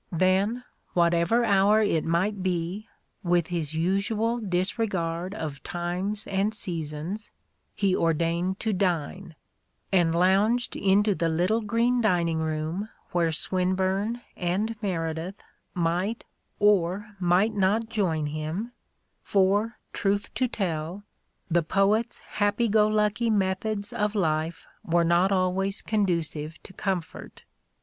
Then — whatever hour it might be, — with his usual disregard of times and seasons, he ordained to dine : and lounged into the little green dining room where Swinburne and Meredith might or might not join him : for, truth to tell, the poet's happy go lucky methods of life were not always conducive to comfort.